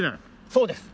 そうです。